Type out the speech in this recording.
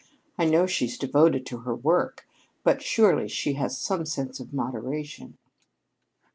"I know she's devoted to her work, but surely she has some sense of moderation."